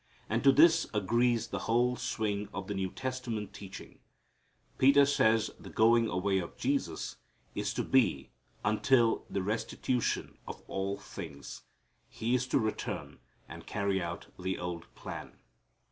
And to this agrees the whole swing of the New Testament teaching. Peter says the going away of Jesus is to be "until the restitution of all things." He is to return and carry out the old plan.